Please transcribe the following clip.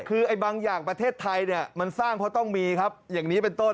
คือบางอย่างประเทศไทยเนี่ยมันสร้างเพราะต้องมีครับอย่างนี้เป็นต้น